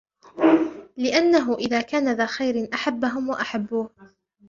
لِأَنَّهُ إذَا كَانَ ذَا خَيْرٍ أَحَبَّهُمْ وَأَحَبُّوهُ